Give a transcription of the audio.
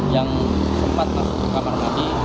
yang sempat masuk ke kamar mandi